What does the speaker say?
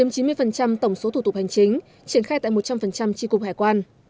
chiếm chín mươi tổng số thủ tục hành chính triển khai tại một trăm linh tri cục hải quan